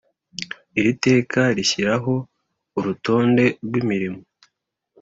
Iri teka rishyiraho urutonde rw imirimo